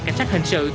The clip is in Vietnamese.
cảnh sát hình sự